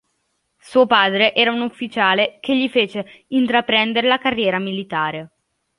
Suo padre era un ufficiale che gli fece intraprendere la carriera militare.